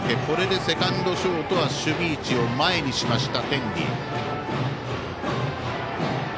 これでセカンド、ショートは守備位置を前にしました、天理。